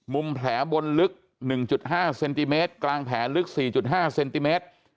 มุมแผลบนลึกหนึ่งจุดห้าเซนติเมตรกลางแผลลึกสี่จุดห้าเซนติเมตร